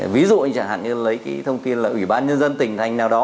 ví dụ như chẳng hạn lấy thông tin là ủy ban nhân dân tỉnh thành nào đó